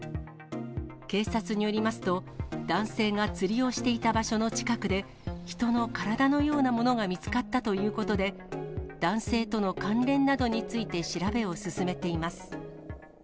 警察によりますと、男性が釣りをしていた場所の近くで、人の体のようなものが見つかったということで、男性との関連などについて調べを進めています。